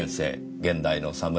「現代の侍」